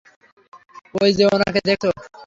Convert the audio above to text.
ঐ যে ওনাকে দেখছ?